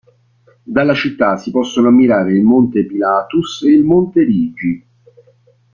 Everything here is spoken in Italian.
Dalla città si possono ammirare il monte Pilatus e il monte Rigi.